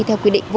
theo quy định